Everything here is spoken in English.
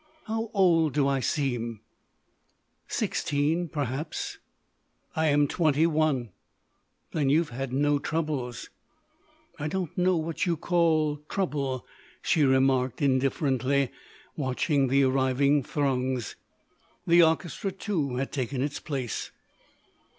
"How old do I seem?" "Sixteen perhaps." "I am twenty one." "Then you've had no troubles." "I don't know what you call trouble," she remarked, indifferently, watching the arriving throngs. The orchestra, too, had taken its place.